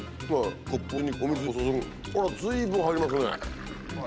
コップにお水を注ぐあら随分入りますね。